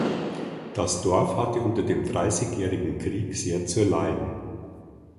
Das Dorf hatte unter dem Dreißigjährigen Krieg sehr zu leiden.